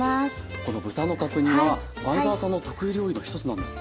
この豚の角煮は前沢さんの得意料理の一つなんですって？